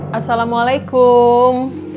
pak fujian selalu yang ambil minuman